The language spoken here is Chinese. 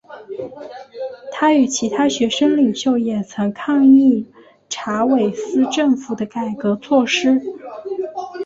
他与其他学生领袖也曾抗议查韦斯政府的改革措施。